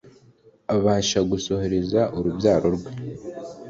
abasha gusohoreza urubyaro rwe